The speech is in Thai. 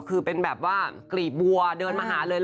คือเป็นแบบว่ากลีบบัวเดินมาหาเลย